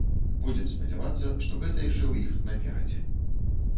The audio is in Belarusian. Будзем спадзявацца, што гэта яшчэ ў іх наперадзе!